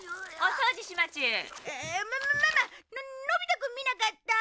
ママのび太くん見なかった？